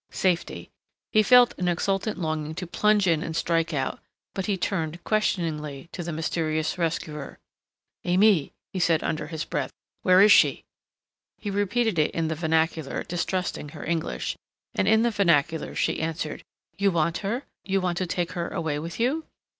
Safety. He felt an exultant longing to plunge in and strike out, but he turned, questioningly, to the mysterious rescuer. "Aimée?" he asked, under his breath. "Where is she?" He repeated it in the vernacular, distrusting her English, and in the vernacular she answered, "You want her? You want to take her away with you?"